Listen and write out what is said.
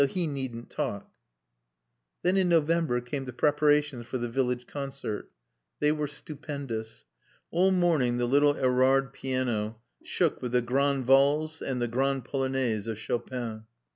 So he needn't talk." Then in November came the preparations for the village concert. They were stupendous. All morning the little Erad piano shook with the Grande Valse and the Grande Polonaise of Chopin.